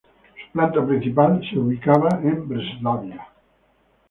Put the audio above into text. Su planta principal se ubicaba en Breslavia.